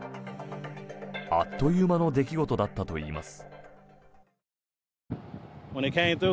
あっという間の出来事だったといいます。